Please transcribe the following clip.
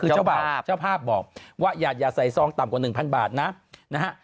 เจ้าภาพบอกว่าอย่าใส่ซองต่ำกว่า๑๐๐๐บาทนะนะฮะ